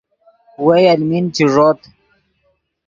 وئے المین چے ݱوت